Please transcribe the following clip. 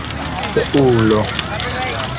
seulo